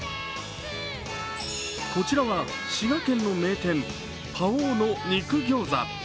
こちらは滋賀県の名店、包王の肉餃子。